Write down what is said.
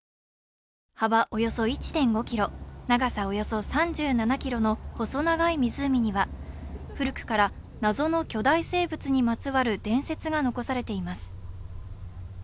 幅およそ１．５ｋｍ、長さおよそ３７ｋｍの細長い湖には古くから謎の巨大生物にまつわる伝説が残されています。